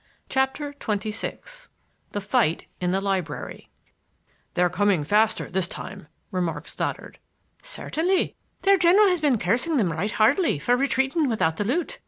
CHAPTER XXVI THE FIGHT IN THE LIBRARY "They're coming faster this time," remarked Stoddard. "Certainly. Their general has been cursing them right heartily for retreating without the loot.